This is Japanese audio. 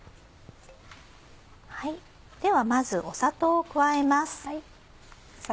ではまず砂糖を加えます。